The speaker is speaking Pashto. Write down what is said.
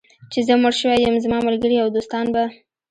چې زه مړ شوی یم، زما ملګري او دوستان به.